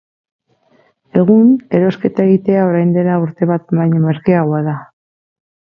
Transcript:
Egun, erosketa egitea orain dela urte bat baino merkeagoa da.